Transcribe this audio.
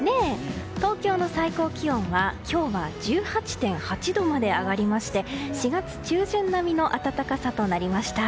東京の最高気温は今日は１８．８度まで上がり４月中旬並みの暖かさとなりました。